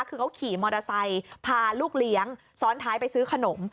คือเขาขี่มอเตอร์ไซค์พาลูกเลี้ยงซ้อนท้ายไปซื้อขนม